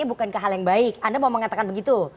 bukan ke hal yang baik anda mau mengatakan begitu